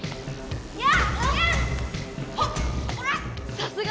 さすが！